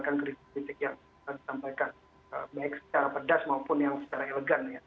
yang penting sekarang bagi saya adalah pemerintah mau mendengarkan kritik yang disampaikan baik secara pedas maupun yang secara elegan ya